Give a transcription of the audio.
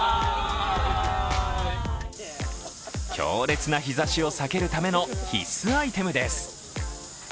強烈な日ざしを避けるための必須アイテムです。